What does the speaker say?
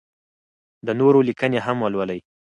د نورو لیکنې هم ولولئ.